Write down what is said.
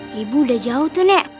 ibu udah jauh tuh nek